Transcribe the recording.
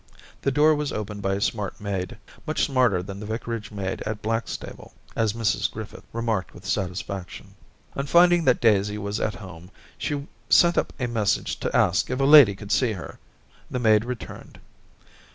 The door was opened by a smart maid — much Daisy 263 smarter than the Vicarage maid at Black stable, as Mrs Griffith remarked with satisfaction. On finding that Daisy was at home, she sent up a message to ask if a lady could see her. The maid returned.